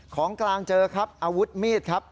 ของกลางเจอครับอาวุธมีดครับ